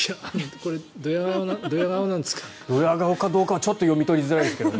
ドヤ顔かどうかはちょっと読み取りづらいですけど。